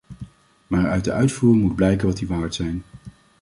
Maar uit de uitvoering moet blijken wat die waard zijn.